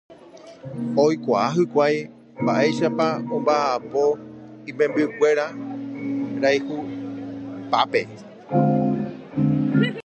Oikuaa hikuái mba'éichapa omba'apo imembykuéra rayhupápe.